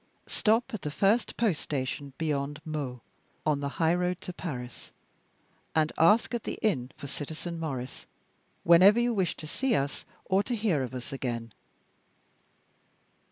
Stop at the first post station beyond Meaux, on the high road to Paris, and ask at the inn for Citizen Maurice, whenever you wish to see us or to hear of us again."